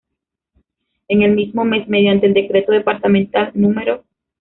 En el mismo mes, mediante el Decreto Departamental No.